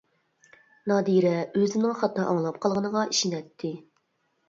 نادىرە ئۆزىنىڭ خاتا ئاڭلاپ قالغىنىغا ئىشىنەتتى.